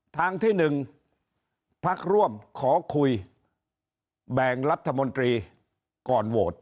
ทางที่๑พักร่วมขอคุยแบ่งรัฐมนตรีก่อนโหวต